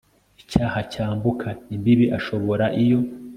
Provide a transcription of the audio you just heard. icyaha cyambuka imbibi ashobora iyo